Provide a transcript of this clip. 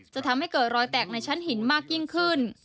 จะทำให้เกิดรอยแตกในชั้นหินมากยิ่งขึ้น